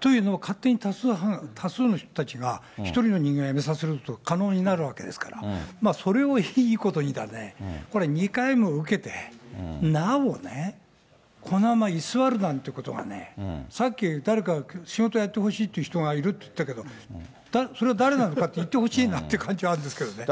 というのも、勝手に多数の人たちが１人の人間を辞めさせることが可能になるわけですから、それをいいことにだね、これ、２回も受けて、なおね、このまま居座るなんてことがね、さっき誰かが仕事やってほしいと言っているって言ったけど、それは誰なのかって言ってほしい感じはあるんですよね。